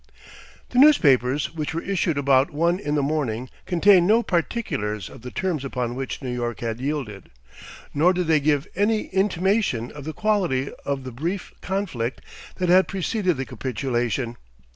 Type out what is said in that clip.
The newspapers, which were issued about one in the morning contained no particulars of the terms upon which New York had yielded nor did they give any intimation of the quality of the brief conflict that had preceded the capitulation.